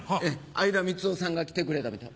相田みつをさんが来てくれたみたい。